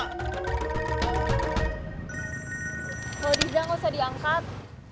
kalau diza nggak usah diangkat